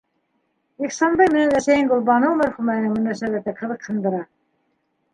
Ихсанбай менән әсәйең Гөлбаныу мәрхүмәнең мөнәсәбәте ҡыҙыҡһындыра.